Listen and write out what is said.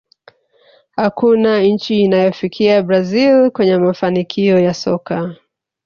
hakuna nchi inayofikia brazil kwenye mafanikio ya soka